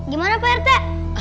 gimana pak rete